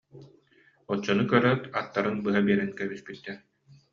Оччону көрөөт аттарын быһа биэрэн кэбиспиттэр